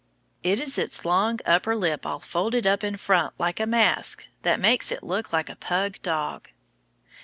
It is its long under lip all folded up in front like a mask that makes it look like a pug dog.